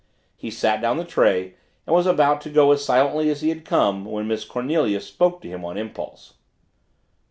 He set down the tray and was about to go as silently as he had come when Miss Cornelia spoke to him on impulse.